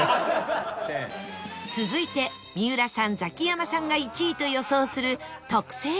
続いて三浦さんザキヤマさんが１位と予想する特製らーめん